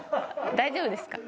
大丈夫ですか？